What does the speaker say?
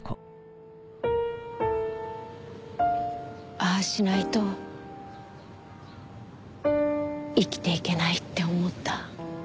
ああしないと生きていけないって思った。